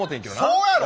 そうやろ？